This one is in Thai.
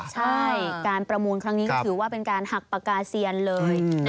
ใช่การประมูลครั้งนี้ก็ถือว่าเป็นการหักปากกาเซียนเลย